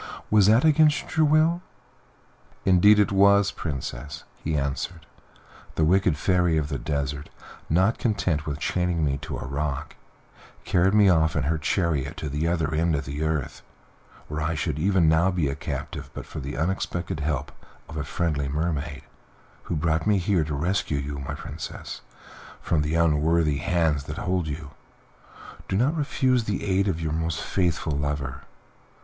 Was that against your will?" "Indeed it was, Princess," he answered; "the wicked Fairy of the Desert, not content with chaining me to a rock, carried me off in her chariot to the other end of the earth, where I should even now be a captive but for the unexpected help of a friendly mermaid, who brought me here to rescue you, my Princess, from the unworthy hands that hold you. Do not refuse the aid of your most faithful lover."